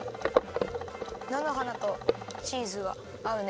なのはなとチーズがあうね。